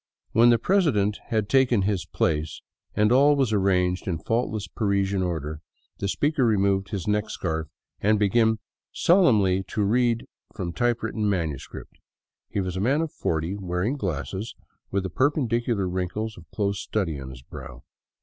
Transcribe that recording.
When the president had taken his place and all was arranged in faultless Parisian order, the speaker removed his neck scarf and began solemnly to read from type written manuscript. He was a man of forty, wearing glasses, with the perpendicular wrinkles of close study on his brow.